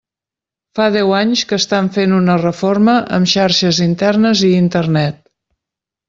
Fa deu anys que estan fent una reforma amb xarxes internes i Internet.